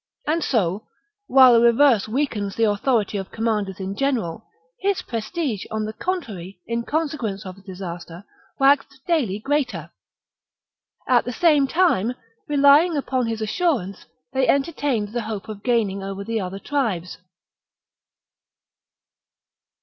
And so, while a reverse weakens the authority of commanders in general, his prestige, on the con trary, in consequence of the disaster, waxed daily greater. At the same time, relying upon his assurance, they entertained the hope of gaining over the other tribes.